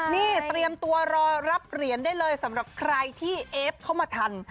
นี่เตรียมตัวรอรับเหรียญได้เลยสำหรับใครที่เอฟเข้ามาทัน